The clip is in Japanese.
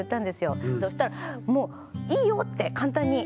そしたらもう「いいよ」って簡単に。